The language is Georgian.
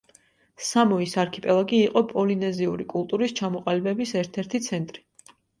სამოის არქიპელაგი იყო პოლინეზიური კულტურის ჩამოყალიბების ერთ-ერთი ცენტრი.